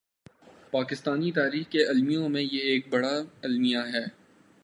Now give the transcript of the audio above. پاکستانی تاریخ کے المیوں میں یہ ایک بڑا المیہ ہے۔